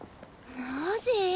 マジ！？